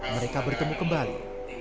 mereka bertemu kembali